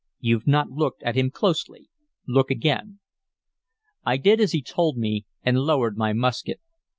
"You've not looked at him closely. Look again." I did as he told me, and lowered my musket.